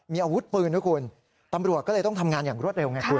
มีอาวุธปืนด้วยคุณตำรวจก็เลยต้องทำงานอย่างรวดเร็วไงคุณ